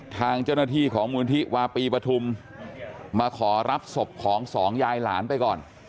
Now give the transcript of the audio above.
ทางเจ้าหน้าที่ของมูลที่วาปีปฐุมมาขอรับศพของสองยายหลานไปก่อน